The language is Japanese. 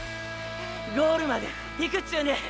ゴールまで行くっちゅうねん！